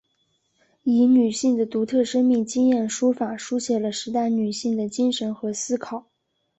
以女性的独特生命经验书法抒写了时代女性的精神和思考。